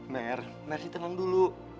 mer mer sih tenang dulu